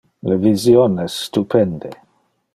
Le vision es stupende.